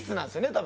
多分。